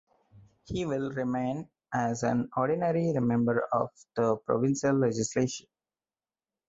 He will remain as an ordinary member of the provincial legislature.